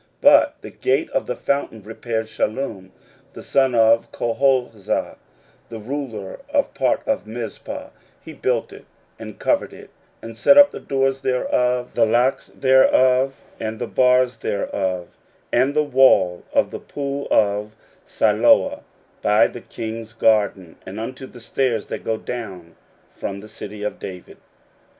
16:003:015 But the gate of the fountain repaired Shallun the son of Colhozeh, the ruler of part of Mizpah; he built it, and covered it, and set up the doors thereof, the locks thereof, and the bars thereof, and the wall of the pool of Siloah by the king's garden, and unto the stairs that go down from the city of David.